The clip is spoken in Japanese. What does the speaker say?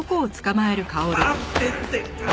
待ってって！